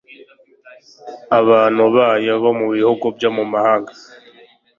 abantu bayo bo mu bihugu byo mu mahanga